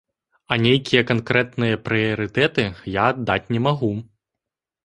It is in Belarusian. А нейкія канкрэтныя прыярытэты я аддаць не магу.